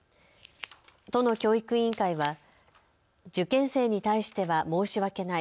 都の教育委員会は受験生に対しては申し訳ない。